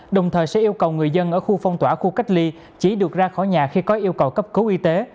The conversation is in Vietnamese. đồng thời sẽ yêu cầu người dân ở khu phong tỏa khu cách ly chỉ được ra khỏi nhà khi có yêu cầu cấp cứu y tế